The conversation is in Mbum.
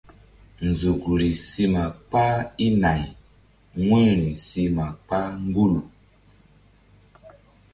Nzukri si ma kpah i nay wu̧yri si ma kpah gul.